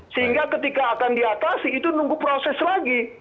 sehingga ketika akan diatasi itu nunggu proses lagi